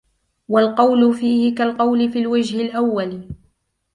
وَالْقَوْلُ فِيهِ كَالْقَوْلِ فِي الْوَجْهِ الْأَوَّلِ